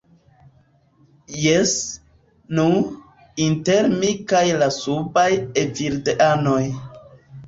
Jes, nu, inter mi kaj la subaj evildeanoj.